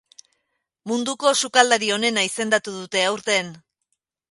Munduko sukaldari onena izendatu dute aurten.